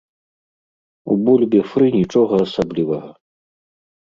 У бульбе-фры нічога асаблівага.